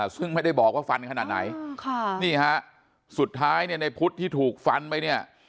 ซึ่งไม่ได้บอกว่าฟันขนาดไหนนี่ฮะสุดท้ายเนี่ยในพุทธที่ถูกฟันไปเนี่ย